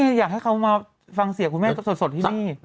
อยากให้เขามาฟังเสียคุณแม่สดที่นี่